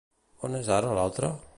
On és ara l'altre?